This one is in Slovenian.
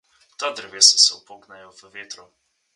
Ta drevesa se upognejo v vetru.